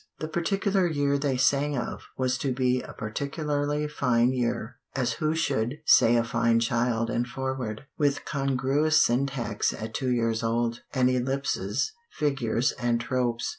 The particular year they sang of was to be a particularly fine year, as who should say a fine child and forward, with congruous syntax at two years old, and ellipses, figures, and tropes.